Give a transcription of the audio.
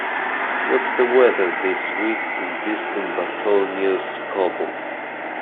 What's the weather this week in distant Bartholomew's Cobble?